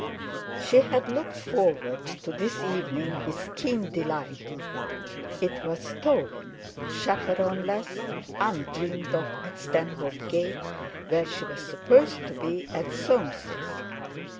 She had looked forward to this evening with keen delight; it was stolen, chaperone less, undreamed of at Stanhope Gate, where she was supposed to be at Soames's.